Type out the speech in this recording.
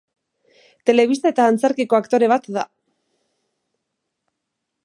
Telebista eta antzerkiko aktore bat da.